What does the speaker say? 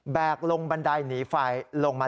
แบกลงบันดายหนีฝ่ายลงมา